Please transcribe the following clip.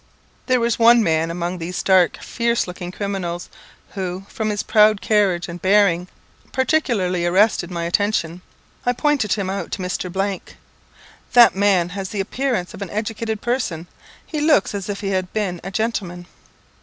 There was one man among these dark, fierce looking criminals, who, from his proud carriage and bearing, particularly arrested my attention. I pointed him out to Mr. . "That man has the appearance of an educated person. He looks as if he had been a gentleman."